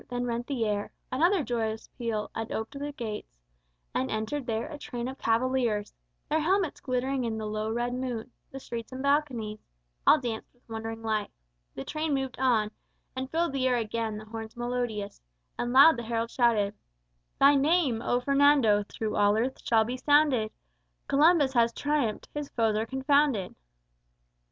Then rent the air Another joyous peal, and oped the gates And entered there a train of cavaliers, Their helmets glittering in the low red moon, The streets and balconies All danced with wondering life. The train moved on, And filled the air again the horns melodious, And loud the heralds shouted: "_Thy name, O Fernando, through all earth shall be sounded, Columbus has triumphed, his foes are confounded!